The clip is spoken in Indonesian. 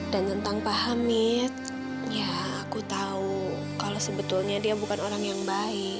dan tentang pak hamid ya aku tahu kalau sebetulnya dia bukan orang yang baik